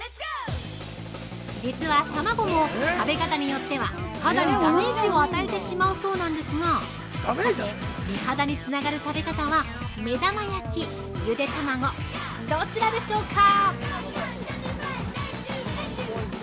実は、卵も食べ方によっては肌にダメージを与えてしまうそうなんですがさて、美肌につながる食べ方は、目玉焼き、ゆで卵どちらでしょうか？